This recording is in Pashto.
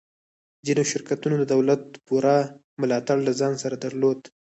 ځینو شرکتونو د دولت پوره ملاتړ له ځان سره درلود